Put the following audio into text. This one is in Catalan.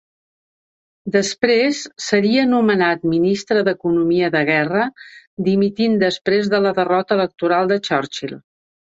Després seria nomenat Ministre d'Economia de Guerra, dimitint després de la derrota electoral de Churchill.